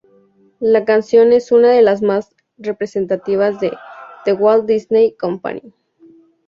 La canción es una de las más representativas de "The Walt Disney Company".